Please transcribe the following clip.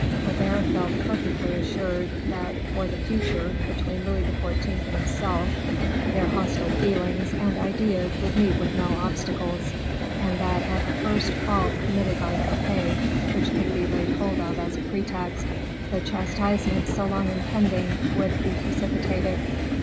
Colbert felt perfectly assured that for the future, between Louis XIV. and himself, their hostile feelings and ideas would meet with no obstacles, and that at the first fault committed by Fouquet, which could be laid hold of as a pretext, the chastisement so long impending would be precipitated.